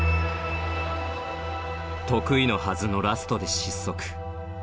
得意のはずのラストで失速。